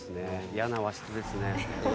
嫌な和室ですね」